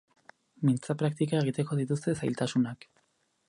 Mintzapraktika egiteko dituzte zailatasunak.